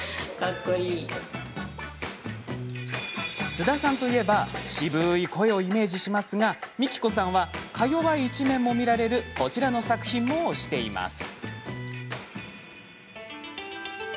津田さんといえば渋い声をイメージしますがみきこさんはか弱い一面も見られるこちらの作品も推しています。